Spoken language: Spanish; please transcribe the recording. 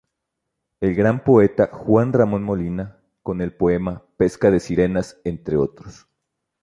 El gran poeta Juan Ramón Molina con el Poema "Pesca de Sirenas"entre otros.